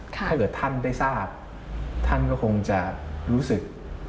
ถ้าเกิดท่านได้ทราบท่านก็คงจะรู้สึก